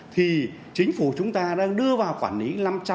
thì chính phủ chúng ta đang đưa vào quản lý